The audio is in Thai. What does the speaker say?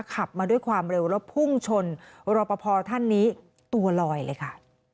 ขับมาด้วยความเร็วแล้วพุ่งชนรอปภท่านนี้ตัวลอยเลยค่ะ